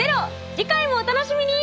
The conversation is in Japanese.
次回もお楽しみに！